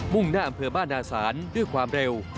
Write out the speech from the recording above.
่งหน้าอำเภอบ้านนาศาลด้วยความเร็ว